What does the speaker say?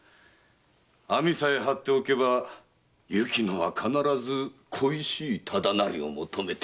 網さえ張っておけば雪乃は必ず恋しい忠成を求めて